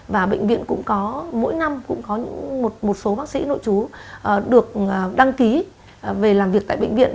và bệnh viện cũng có mỗi năm cũng có một số bác sĩ nội chú được đăng ký về làm việc tại bệnh viện